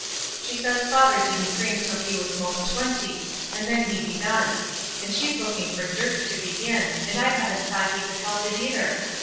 She says father didn't drink till he was most twenty, and then he begun; and she's looking for Dirk to begin, and I haven't thought he could help it either.